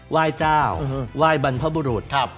ไหว้เจ้าไหว้บรรพบุรุษ